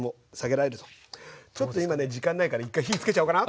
ちょっと今ね時間ないから１回火つけちゃおうかな。